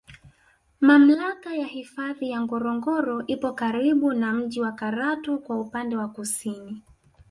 Mamlaka ya hifadhi Ngorongoro ipo karibu na mji wa Karatu kwa upande wa kusini